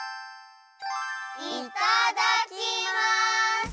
いただきます！